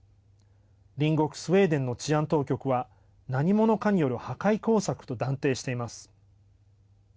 隣国スウェーデンの治安当局は何者かによる破壊工作と断定しています。